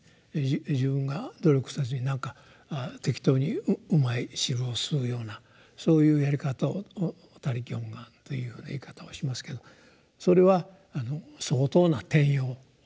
自分が努力せずになんか適当にうまい汁を吸うようなそういうやり方を「他力本願」というふうな言い方をしますけどそれは相当な転用ですね。